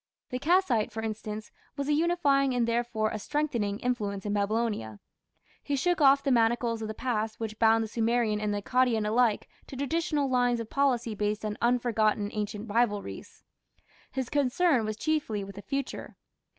The Kassite, for instance, was a unifying and therefore a strengthening influence in Babylonia. He shook off the manacles of the past which bound the Sumerian and the Akkadian alike to traditional lines of policy based on unforgotten ancient rivalries. His concern was chiefly with the future.